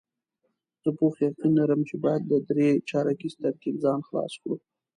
زه پوخ یقین لرم چې باید له درې چارکیز ترکیب ځان خلاص کړو.